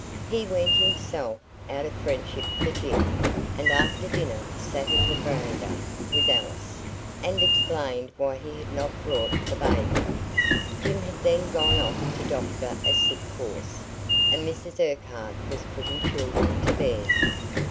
He went himself, out of friendship for Jim, and after dinner sat in the verandah with Alice, and explained why he had not brought the baby. Jim had then gone off to doctor a sick horse, and Mrs Urquhart was putting children to bed.